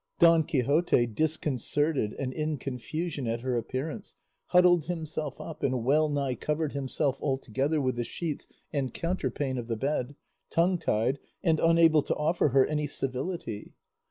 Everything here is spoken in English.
Don Quixote, disconcerted and in confusion at her appearance, huddled himself up and well nigh covered himself altogether with the sheets and counterpane of the bed, tongue tied, and unable to offer her any civility.